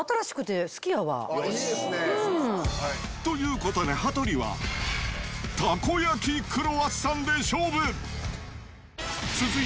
いいですね。ということで、羽鳥は、たこ焼きクロワッサンで勝負。